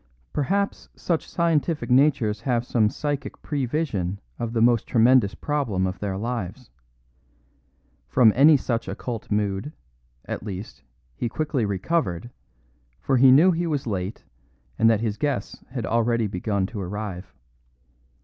Perhaps such scientific natures have some psychic prevision of the most tremendous problem of their lives. From any such occult mood, at least, he quickly recovered, for he knew he was late, and that his guests had already begun to arrive.